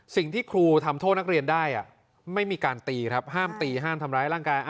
สิ่งที่ครูทำโทษนักเรียนได้ไม่มีการตีครับห้ามตีห้ามทำร้ายร่างกาย